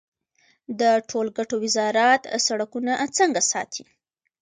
د ټولګټو وزارت سړکونه څنګه ساتي؟